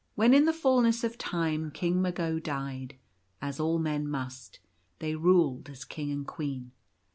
When iii the fulness of time King Mago died — as all men must — they ruled as King and Queen.